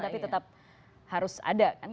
tapi tetap harus ada kan